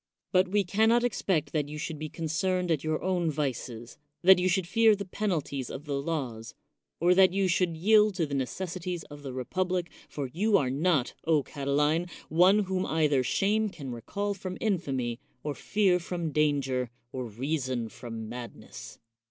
But we can not expect that you should be concerned at your own vices, that you should fear the penalties of the laws, or that you should yield to the necessities of the republic, for you are not, O Catiline, one whom either shame can recall from infamy, or fear from danger, or rea son from madness.